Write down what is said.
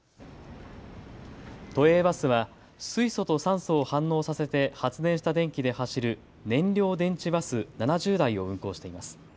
都営バスは水素と酸素を反応させて発電した電気で走る燃料電池バス７０台を運行しています。